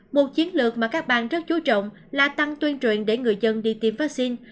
một chiến lược mà các bang rất chú trọng là tăng tuyên truyền để người dân đi tiêm vaccine